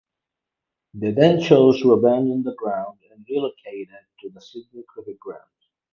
They then chose to abandon the ground and relocated to the Sydney Cricket Ground.